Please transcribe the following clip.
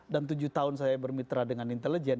dan tujuh tahun saya bermitra dengan intelijen